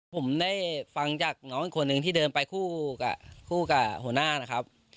ผมได้ฟังจากน้องอีกคนนึงที่เดินไปคู่กับคู่กับหัวหน้านะครับ